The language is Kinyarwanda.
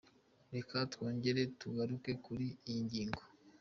Reka twongere tugaruke kuri iyi ngingo.